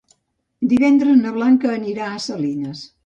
Divendres na Blanca anirà a Salines.